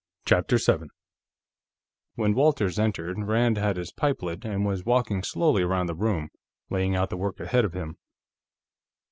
CHAPTER 7 When Walters entered, Rand had his pipe lit and was walking slowly around the room, laying out the work ahead of him.